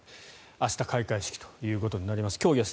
明日開会式ということになります。